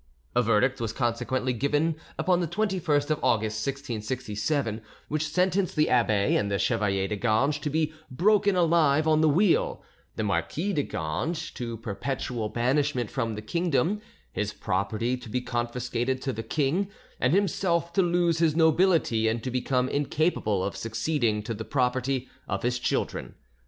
A verdict was consequently given, upon the 21st of August, 1667, which sentenced the abbe and the chevalier de Ganges to be broken alive on the wheel, the Marquis de Ganges to perpetual banishment from the kingdom, his property to be confiscated to the king, and himself to lose his nobility and to become incapable of succeeding to the property of his children.